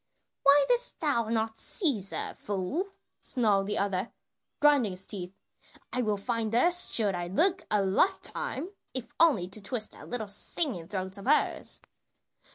"Why didst thou not seize her, fool?" snarled the other, grinding his teeth. "I will find her should I look a lifetime, if only to twist that little singing throat of hers."